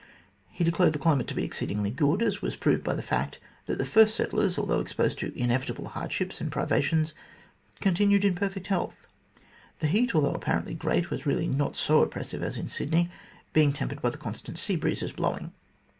He declared the climate to be exceedingly good, as was proved by the fact that the first settlers, although exposed to inevitable hardships and privations, continued in perfect health. The heat, though apparently great, was really not so oppressive as in Sydney, being tempered by the constant sea breezes blowing.